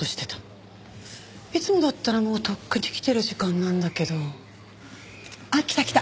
いつもだったらもうとっくに来てる時間なんだけど。あっ来た来た。